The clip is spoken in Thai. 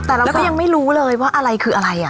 แต่เราก็ยังไม่รู้เลยว่าอะไรคืออะไร